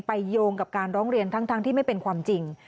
โยงกับการร้องเรียนทั้งที่ไม่เป็นความจริง